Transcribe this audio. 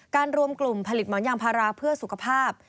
รวมกลุ่มผลิตหมอนยางพาราเพื่อสุขภาพ